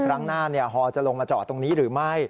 ครั้งหน้าฮอจะลงมาจอดตรงนี้หรือไม่